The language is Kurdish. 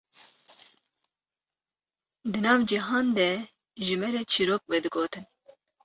di nav cihan de ji me re çîrok vedigotin